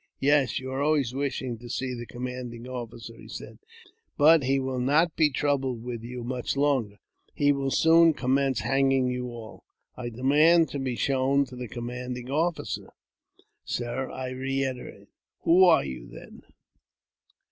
" Yes, you are always wishing to see the commandinj officer," he said ;" but he will not be troubled with you mud longer ; he will soon commence hanging you all." " I demand to be shown to the commanding officer, sir,'' I reiterated. " Who are you, then